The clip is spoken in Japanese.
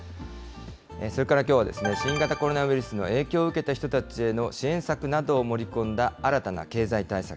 それからきょうはですね、新型コロナウイルスの影響を受けた人たちへの支援策などを盛り込んだ新たな経済対策。